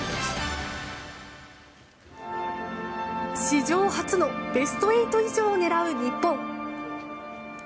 史上初のベスト８以上を狙う日本。